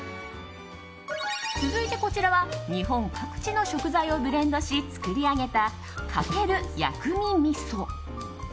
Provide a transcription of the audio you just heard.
続いてこちらは日本各地の食材をブレンドし作り上げた、かける薬味みそ。